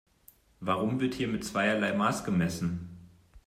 Warum wird hier mit zweierlei Maß gemessen?